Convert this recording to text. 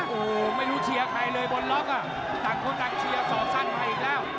โหไม่รู้เชียวใครเลยบนล็อคต่างคนต่างเชียวส่อแซนมาอีกแล้ว